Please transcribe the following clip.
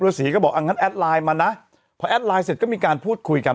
ศรีก็บอกอ่ะงั้นแอดไลน์มานะพอแอดไลน์เสร็จก็มีการพูดคุยกัน